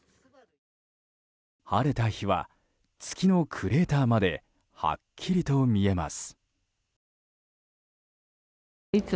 晴れた日は、月のクレーターまではっきりと見えます。